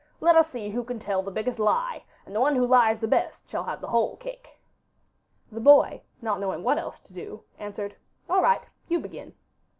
Let us see who can tell the biggest lie, and the one who lies the best shall have the whole cake.' The boy, not knowing what else to do, answered, 'All right; you begin.